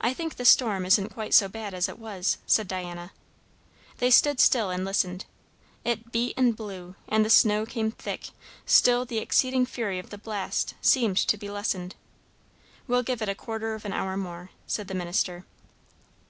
"I think the storm isn't quite so bad as it was," said Diana. They stood still and listened. It beat and blew, and the snow came thick; still the exceeding fury of the blast seemed to be lessened. "We'll give it a quarter of an hour more," said the minister.